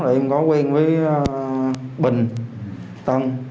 em có quen với bình tân